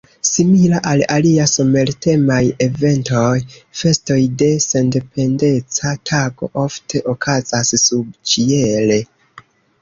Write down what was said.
Simila al alia somer-temaj eventoj, festoj de Sendependeca Tago ofte okazas subĉiele.